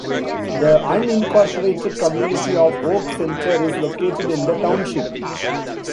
The unincorporated community of Oak Center is located in the township.